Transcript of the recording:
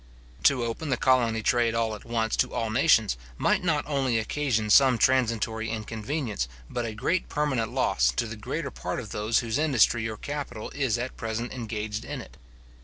To open the colony trade all at once to all nations, might not only occasion some transitory inconveniency, but a great permanent loss, to the greater part of those whose industry or capital is at present engaged in it.